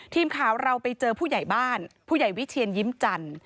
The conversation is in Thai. ทีมข่าวเราไปเจอผู้ใหญ่บ้านผู้ใหญ่วิเชียนยิ้มจันทร์